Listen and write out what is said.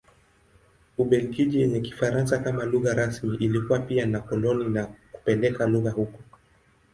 Ubelgiji yenye Kifaransa kama lugha rasmi ilikuwa pia na koloni na kupeleka lugha huko.